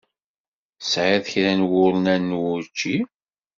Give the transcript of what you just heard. Tesɛiḍ kra n wurnan n wučči?